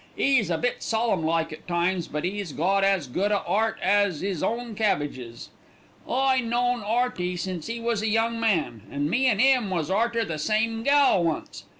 'E's a bit solemn like at times, but 'e's got as good a 'eart as 'is own cabbages. I known 'Earty since 'e was a young man, and me an' 'im was arter the same gal once.